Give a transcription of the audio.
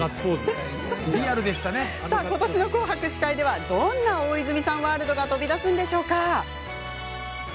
ことしの「紅白」司会ではどんな大泉さんワールドが飛び出すのでしょうか。